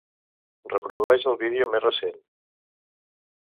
Reprodueix el vídeo més recent.